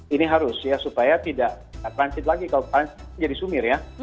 ini harus ya supaya tidak transit lagi kalau transit jadi sumir ya